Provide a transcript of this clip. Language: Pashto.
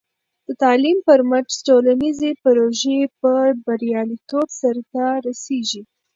د تعلیم پر مټ، ټولنیزې پروژې په بریالیتوب سرته رسېږي.